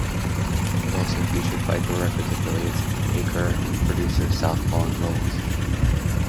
It also featured Viper Records affiliates Akir and producer SouthPaw in roles.